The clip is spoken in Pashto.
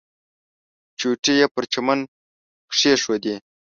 چوټې یې پر چمن کېښودې.